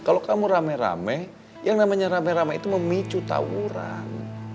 kalau kamu rame rame yang namanya rame rame itu memicu tawuran